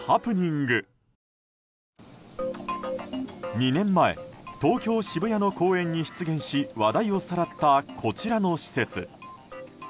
２年前東京・渋谷の公園に出現し話題をさらったこちらの施設。